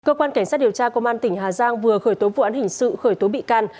cơ quan cảnh sát điều tra công an tỉnh hà giang vừa khởi tố vụ án hình sự khởi tố bị can